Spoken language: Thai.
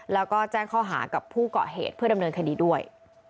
แล้วก็แจ้งข้อหากับผู้เกาะเหตุเพื่อดำเนินคดีด้วย